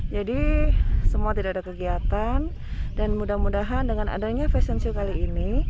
jadi semua tidak ada kegiatan dan mudah mudahan dengan adanya fashion show kali ini